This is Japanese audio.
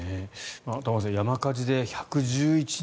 玉川さん、山火事で１１１人